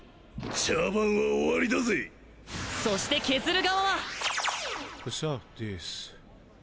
茶番は終わりだぜそしてケズル側はうそディス？